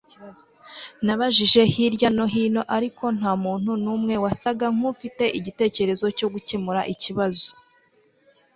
nabajije hirya no hino, ariko nta muntu numwe wasaga nkufite igitekerezo cyo gukemura ikibazo